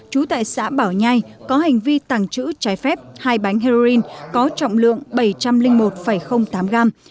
trú tại xã bảo nhai có hành vi tàng trữ trái phép hai bánh heroin có trọng lượng bảy trăm linh một tám gram